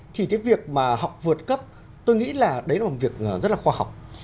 thì cái việc mà học vượt cấp tôi nghĩ là đấy là một việc rất là khoa học